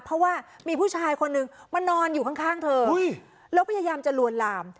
เพราะว่ามีผู้ชายคนนึงมานอนอยู่ข้างเธอแล้วพยายามจะลวนลาม